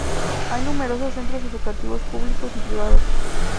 Hay numerosos centros educativos públicos y privados.